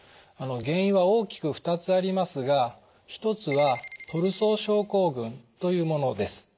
あの原因は大きく２つありますが一つはトルソー症候群というものです。